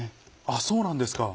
あっそうなんですか。